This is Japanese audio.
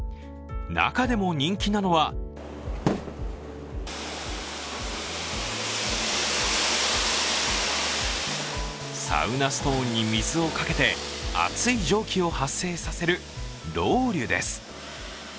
中でも人気なのはサウナストーンに水をかけて熱い蒸気を発生させるロウリュです。